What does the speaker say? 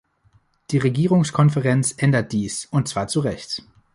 Die Regierungskonferenz ändert dies, und zwar zu Recht.